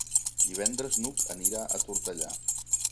Divendres n'Hug anirà a Tortellà.